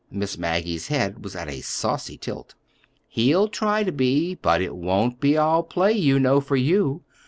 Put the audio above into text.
Miss Maggie's head was at a saucy tilt. "He'll try to be; but—it won't be all play, you know, for you.